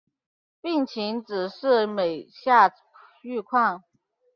病情只是每下愈况